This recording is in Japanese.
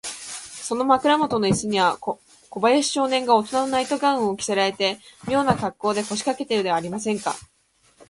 その枕もとのイスには、小林少年がおとなのナイト・ガウンを着せられて、みょうなかっこうで、こしかけているではありませんか。